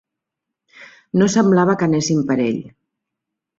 No semblava que anessin per ell.